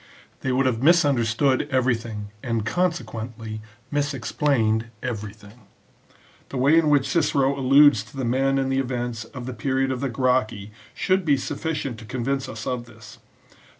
They would have misunderstood every thing, and consequently misexplained everything. The way in which Cicero alludes to the men and events of the period of the Gracchi should be suffi cient to convince us of this.